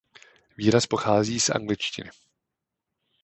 Výraz pochází z angličtiny.